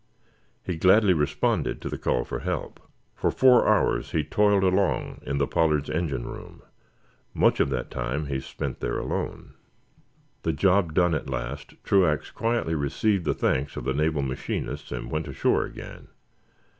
He gladly responded to the call for help. For four hours he toiled along in the "Pollard's" engine room. Much of that time he spent there alone. The job done, at last, Truax quietly received the thanks of the naval machinists and went ashore again.